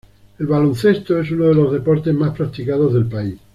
El baloncesto es uno de los deportes más practicados del país.